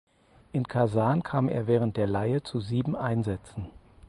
In Kasan kam er während der Leihe zu sieben Einsätzen.